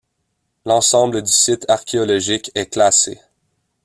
L'ensemble du site archéologique est classé.